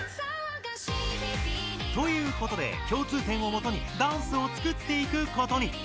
ということで共通点をもとにダンスをつくっていくことに。